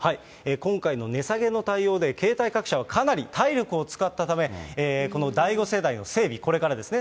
今回の値下げの対応で、携帯各社はかなり体力を使ったため、この第５世代の整備、これからですね。